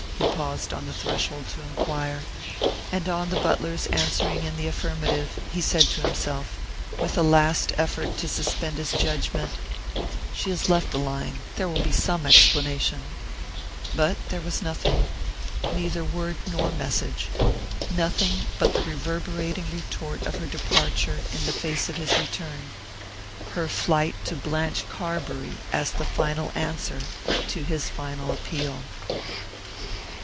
he paused on the threshold to enquire; and on the butler's answering in the affirmative, he said to himself, with a last effort to suspend his judgment: "She has left a line there will be some explanation " But there was nothing neither word nor message; nothing but the reverberating retort of her departure in the face of his return her flight to Blanche Carbury as the final answer to his final appeal.